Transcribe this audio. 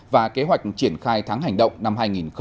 và kế hoạch triển khai tháng hành động năm hai nghìn hai mươi